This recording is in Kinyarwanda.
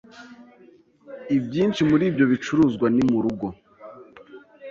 Ibyinshi muri ibyo bicuruzwa ni murugo.